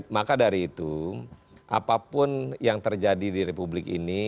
maka dari itu apapun yang terjadi di republik ini